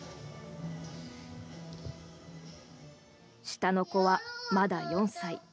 下の子はまだ４歳。